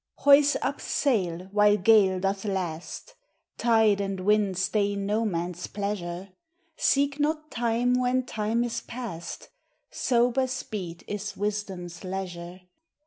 Hoyse up sayle while gale doth last, Tide and winde stay no man's pleasure; Seek not time when time is past, Sober speede is wisdome's leasure.